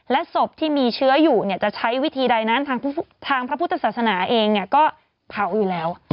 ศพที่มีเชื้ออยู่จะใช้วิธีใดนั้นทางพระพุทธศาสนาเองก็เผาอยู่แล้ว